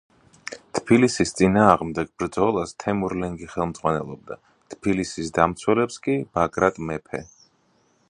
თბილისის წინააღმდეგ ბრძოლას თემურლენგი ხელმძღვანელობდა, თბილისის დამცველებს კი ბაგრატ მეფე.